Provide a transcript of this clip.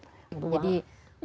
jadi mari kita sama sama ya mencoba